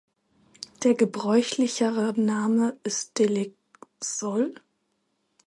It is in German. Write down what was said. Der gebräuchlichere Name ist „Delegsol“.